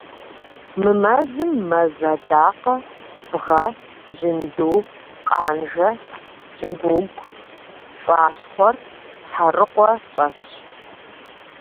Мы мэзым мэз адакъэ, бгъэ, жьынду, къанжэ, кӀыгуугу, пцӀащхъуэр, тхьэрыкъуэ щӀэсщ.